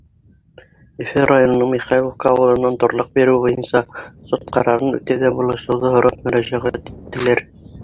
Өфө районының Михайловка ауылынан торлаҡ биреү буйынса суд ҡарарын үтәүҙә булышыуҙы һорап мөрәжәғәт иттеләр.